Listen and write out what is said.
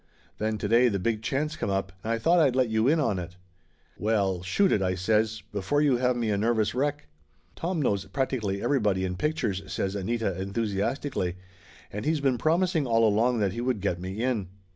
Then to day the big chance come up and I thought I'd let you in on it." "Well shoot it," I says, "before you have me a nervous wreck." "Tom knows practically everybody in pictures," says Anita enthusiastically. "And he's been promising all along that he would get me in.